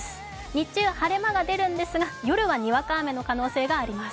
日中雨のところもあるんですが夜はにわか雨の可能性があります。